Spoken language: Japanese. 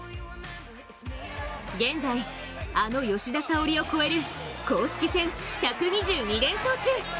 現在、あの吉田沙保里を超える公式戦１２２連勝中。